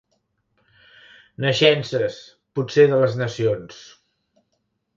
Naixences, potser de les nacions.